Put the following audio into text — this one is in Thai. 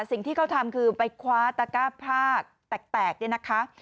สิ่งที่เขาทำคือไปคว้าตะก้าพรากแตกเนี่ยนะคะ